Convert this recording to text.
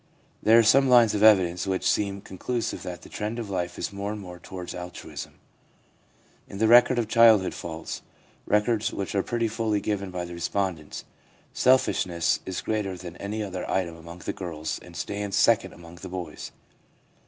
There are some lines of evidence which seem con clusive that the trend of life is more and more towards altruism. In the record of childhood faults — records which are pretty fully given by the respondents — selfish ness is greater than any other item among the girls and stands second among the boys.